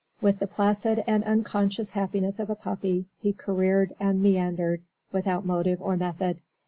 With the placid and unconscious happiness of a puppy he careered and meandered, without motive or method.